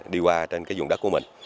đi qua trên cái vùng đất của mình